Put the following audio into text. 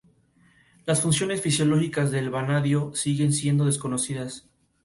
Las funciones fisiológicas del vanadio siguen siendo desconocidas.